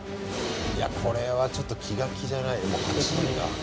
いやこれは気が気じゃないよ。